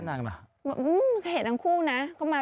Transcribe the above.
คงเริ่มแล้วนะ